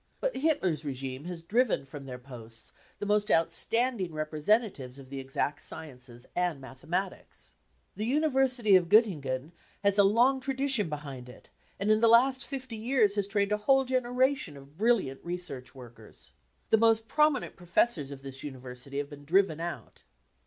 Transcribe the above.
But Hitler's regime has driven from their posts the most outstanding representatives of the exact sciences and mathematics. The University of Gottingen has THE CAMPAIGN AGAINST CULTURE 163 a long tradition behind, it, and in the last fifty years has trained a whole generation of brilliant research workers. The most prominent professors of this University have been driven out.